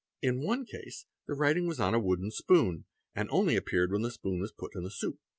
In one case the writing was on a wooden spoon, and only appeared when the spoon was put in the soup.